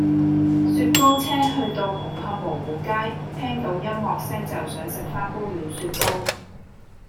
雪糕車去到紅磡蕪湖街聽到音樂聲就想食返杯軟雪糕